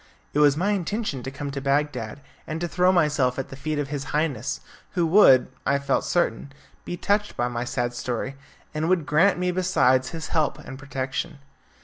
It was my intention to come to Bagdad and to throw myself at the feet of his Highness, who would, I felt certain, be touched by my sad story, and would grant me, besides, his help and protection.